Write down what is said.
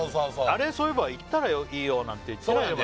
あれそういえば行ったらいいよなんて行ってないもんね